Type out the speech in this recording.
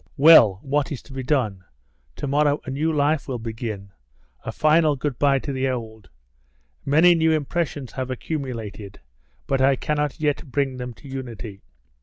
Well, what is to be done? Tomorrow a new life will begin. A final good bye to the old! Many new impressions have accumulated, but I cannot yet bring them to unity."